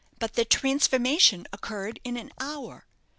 "But the transformation occurred in an hour.